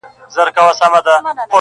بېاتحاده خلک کمزوري پاتې کېږي.